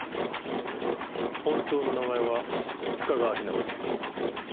本当の名前は深川日菜子さん。